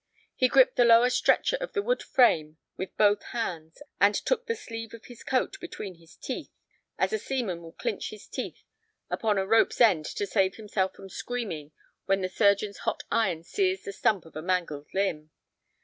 He gripped the lower stretcher of the wood frame with both hands and took the sleeve of his coat between his teeth, as a seaman will clinch his teeth upon a rope's end to save himself from screaming when the surgeon's hot iron sears the stump of a mangled limb.